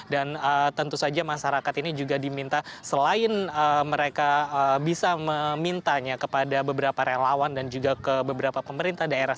dan tentu saja masyarakat ini juga diminta selain mereka bisa memintanya kepada beberapa relawan dan juga ke beberapa pemerintah daerah